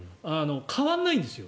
変わんないんですよ。